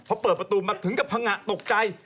พอเปิดประตูมาถึงกับพังงะตกใจ